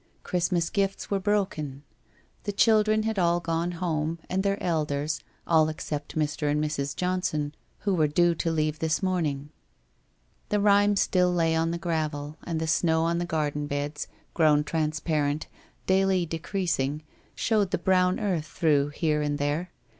Christmas gifts were broken. The children had all gone home, and their elders, all except Mr. and Mrs. Johnson, who were due to leave this morning. The rime still lay on the gravel, the snow on the garden beds, grown transparent, daily decreasing, showed the brown earth through here and there.